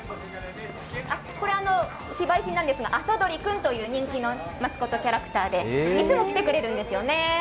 これは非売品なんですがあさどりくんという人気のマスコットキャラクターで、いつも来てくれるんですよね。